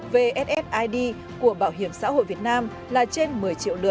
và hiện đã có mưa